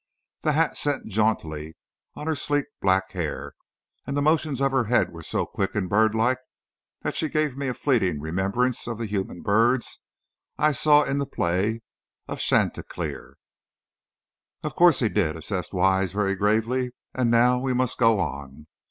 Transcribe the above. The hat set jauntily on her sleek black hair, and the motions of her head were so quick and birdlike, that she gave me a fleeting remembrance of the human birds I saw in the play of Chantecler. "Of course he did," assented Wise, very gravely; "and now we must go on.